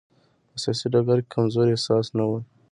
په سیاسي ډګر کې کمزورۍ احساس نه وي.